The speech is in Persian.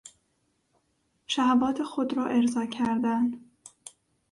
شهوات خود را ارضا کردن